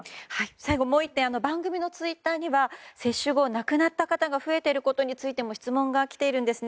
最後もう１点番組のツイッターには接種後亡くなった方が増えていることについても質問が来ています。